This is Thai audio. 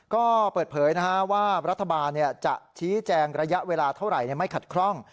ก็เปิดเผยว่ารัฐบาลจะชี้แจงระยะเวลาเท่าไหร่ไม่ขัดคล่อง